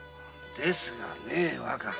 ですがねぇ若様。